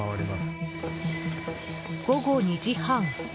午後２時半。